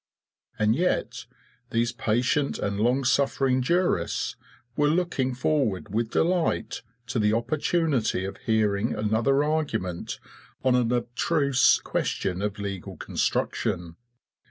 And yet these patient and long suffering jurists were looking forward with delight to the opportunity of hearing another argument on an abstruse question of legal construction!